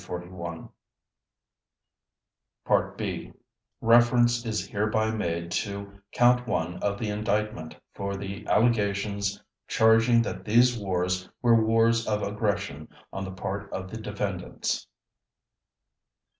(B) Reference is hereby made to Count One of the Indictment for the allegations charging that these wars were wars of aggression on the part of the defendants.